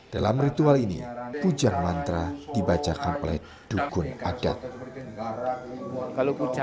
dalam ritual ini pujian mantra dibaca kaplet dukun agat